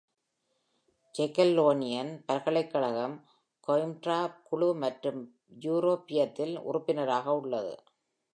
Jagiellonian பல்கலைக்கழகம் கோயிம்ப்ரா குழு மற்றும் யூரோபீயத்தில் உறுப்பினராக உள்ளது.